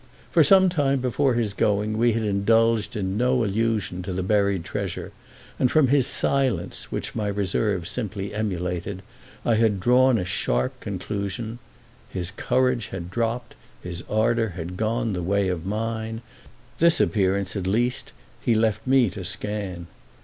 For some time before his going we had indulged in no allusion to the buried treasure, and from his silence, which my reserve simply emulated, I had drawn a sharp conclusion. His courage had dropped, his ardour had gone the way of mine—this appearance at least he left me to scan.